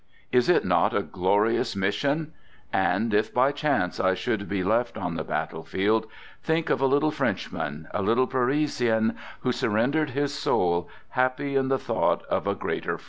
Is it not a glorious mission? And if by chance I should be left on the battlefield, think of a little Frenchman, a little Parisian, who surrendered his soul, happy in the thought of a greater France!